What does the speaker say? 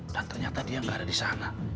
ternyata dia nggak ada di sana